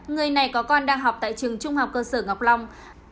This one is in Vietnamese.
người này có con đang học tại trường trung học cơ sở ngọc long